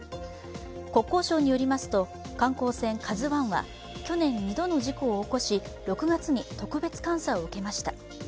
国交省によりますと観光船「ＫＡＺＵⅠ」は去年、２度の事故を起こし６月に特別監査を受けました。